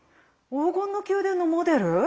黄金の宮殿のモデル？